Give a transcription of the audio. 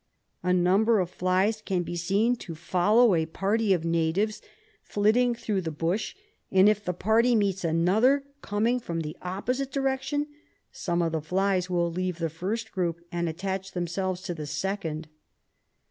A number of flies can be seen to follow a party of natives flitting through the bush, and if the party meets another coming from the op}X)site direction , some of the flies will leave the first group and attach themselves to the second.